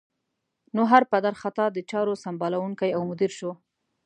نو هر پدر خطا د چارو سمبالوونکی او مدیر شو.